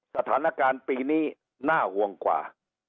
สถานการณ์ปีนี้น่าห่วงกว่า